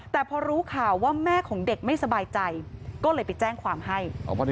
แต่พอรู้ข่าวว่าแม่ของเด็กไม่สบายใจก็เลยไปแจ้งความให้